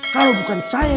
kalau bukan saya